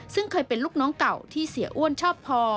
ซึ่งเคยเป็นลูกน้องเก่าที่เสียอ้วนชอบพอ